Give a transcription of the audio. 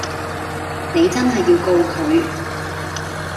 你真係要告佢